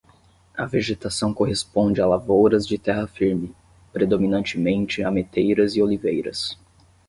A vegetação corresponde a lavouras de terra firme, predominantemente ameteiras e oliveiras.